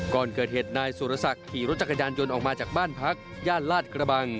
ก่อนเกิดเหตุนายสุรศักดิ์ขี่รถจักรยานยนต์ออกมาจากบ้านพักย่านลาดกระบัง